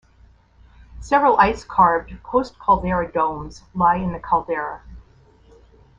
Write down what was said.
Several ice-carved post-caldera domes lie in the caldera.